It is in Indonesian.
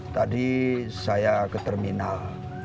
tadi saya ke terminal